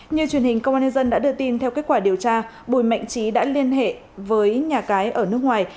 như truyền hình công an nhân dân đã đưa tin theo kết quả điều tra bùi mạnh trí đã liên hệ với nhà cái ở nước ngoài